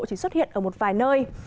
chỉ xuất hiện ở một vài nơi